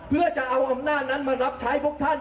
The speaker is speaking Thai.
เพื่อจะเอาอำนาจนั้นมารับใช้พวกท่าน